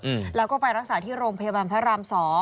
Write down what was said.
อืมแล้วก็ไปรักษาที่โรงพยาบาลพระรามสอง